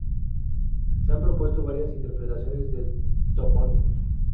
Se han propuesto varias interpretaciones del topónimo.